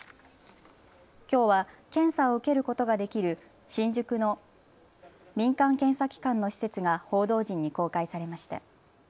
きょうは検査を受けることができる新宿の民間検査機関の施設が報道陣に公開されました。